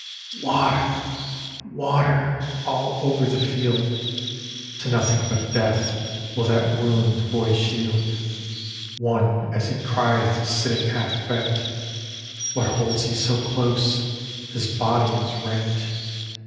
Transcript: ] "Water! water!" all over the field: To nothing but Death will that wound voice yield. One, as he crieth, is sitting half bent; What holds he so close? his body is rent.